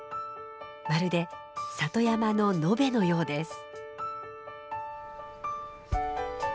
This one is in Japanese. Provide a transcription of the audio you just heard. まるで里山の野辺のようです。